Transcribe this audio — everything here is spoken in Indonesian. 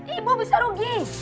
ibu bisa rugi